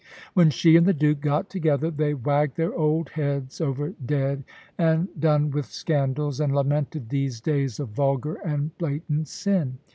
When she and the Duke got together, they wagged their old heads over dead and done with scandals, and lamented these days of vulgar and blatant sin.